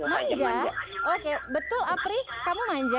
manja oke betul apri kamu manja